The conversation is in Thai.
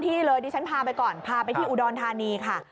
ที่เลยดิฉันพาไปก่อนพาไปที่อุดรธานีค่ะ